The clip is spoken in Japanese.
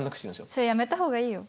それやめた方がいいよ。